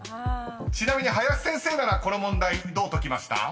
［ちなみに林先生ならこの問題どう解きました？］